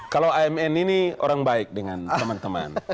kalau amn ini orang baik dengan teman teman